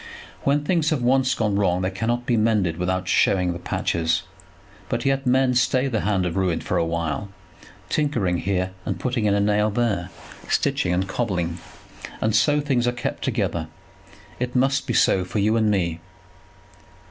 When things have once gone wrong they cannot be mended without showing the patches. But yet men stay the hand of ruin for a while, tinkering here and putting in a nail there, stitching and cobbling; and so things are kept together. It must be so for you and me.